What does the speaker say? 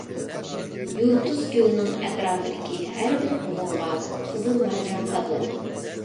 يۇلتۇز گۈلنىڭ ئەتراپىدىكى ھەر بىر بۇلۇڭغا قىزىل مارجان قادىلىدۇ.